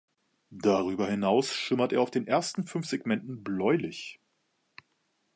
Darüber hinaus schimmert er auf den ersten fünf Segmenten bläulich.